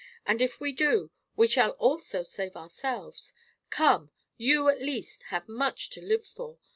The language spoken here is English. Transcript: And, if we do, we shall also save ourselves. Come; you, at least, have much to live for.